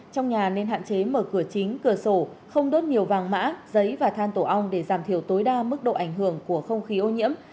trong nhà nên hạn chế mở cửa chính cửa sổ không đốt nhiều vàng mã giấy và than tổ ong để giảm thiểu tối đa mức độ ảnh hưởng của không khí ô nhiễm